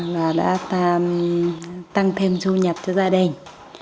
và đã tăng thêm du nhập cho gia đình